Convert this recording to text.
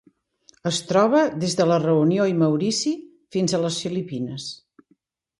Es troba des de la Reunió i Maurici fins a les Filipines.